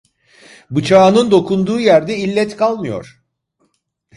Bıçağının dokunduğu yerde illet kalmıyor.